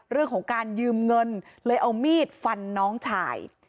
เรื่องของการยืมเงินเลยเอามีดฟันน้องชาย